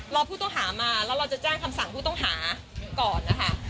รอผู้ต้องหามาแล้วเราจะแจ้งคำสั่งผู้ต้องหาก่อนนะคะ